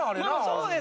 そうです。